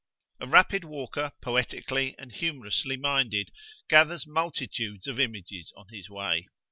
A rapid walker poetically and humourously minded gathers multitudes of images on his way.